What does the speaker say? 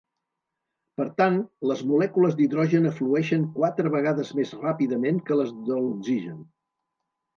Per tant, les molècules d'hidrogen eflueixen quatre vegades més ràpidament que les de l'oxigen.